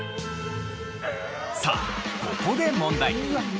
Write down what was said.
さあここで問題。